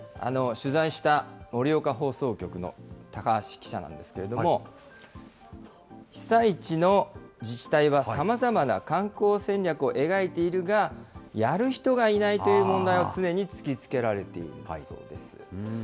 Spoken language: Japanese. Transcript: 取材した盛岡放送局の高橋記者なんですけれども、被災地の自治体はさまざまな観光戦略を描いているが、やる人がいないという問題を常に突きつけられているそうです。